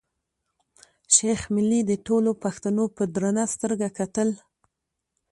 شېخ ملي ته ټولو پښتنو په درنه سترګه کتل.